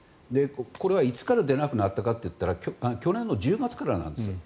これはいつから出なくなったかというと去年１０月からなんです。